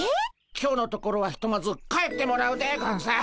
今日のところはひとまず帰ってもらうでゴンス。